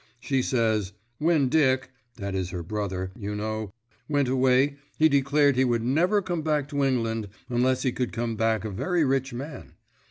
She says, when Dick that is her brother, you know went away he declared he would never come back to England unless he could come back a very rich man.